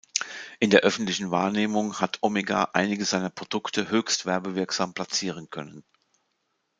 In der öffentlichen Wahrnehmung hat Omega einige seiner Produkte höchst werbewirksam platzieren können.